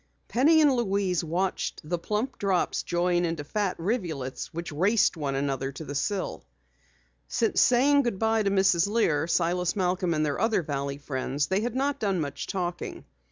Penny and Louise watched the plump drops join into fat rivulets which raced one another to the sill. Since saying goodbye to Mrs. Lear, Silas Malcom, and their other valley friends, they had not done much talking.